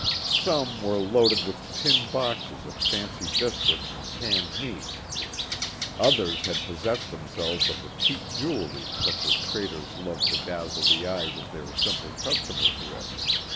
Some were loaded with tin boxes of fancy biscuits and canned meats, others had possessed themselves of the cheap jewelry such as traders love to dazzle the eyes of their simple customers with.